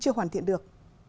chưa hoàn thiện được